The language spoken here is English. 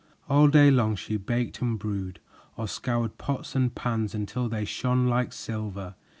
All day long she baked and brewed, or scoured pots and pans until they shone like silver.